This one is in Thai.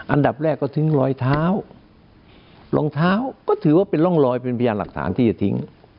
อันดับแรกก็ทิ้งรอยเท้ารองเท้าก็ถือว่าเป็นร่องรอยเป็นพยานหลักฐานที่จะทิ้ง